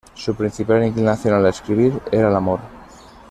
Su principal inclinación al escribir era el amor.